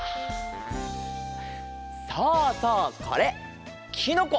そうそうこれきのこ。